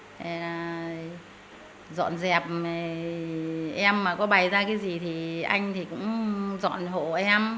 thì dọn dẹp em mà có bày ra cái gì thì anh thì cũng dọn hộ em